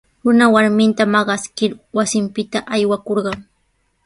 Runa warminta maqaskir wasinpita aywakurqan.